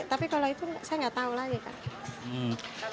tapi kalau itu saya nggak tahu lagi kan